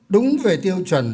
đúng về tiêu chuẩn